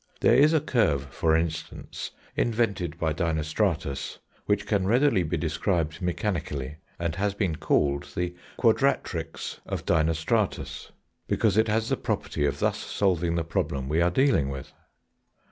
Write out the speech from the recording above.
There is a curve, for instance, invented by Dinostratus, which can readily be described mechanically, and has been called the quadratrix of Dinostratus, because it has the property of thus solving the problem we are dealing with.